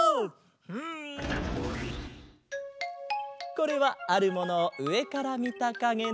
これはあるものをうえからみたかげだ。